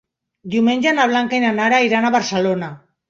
Diumenge na Blanca i na Nara iran a Barcelona.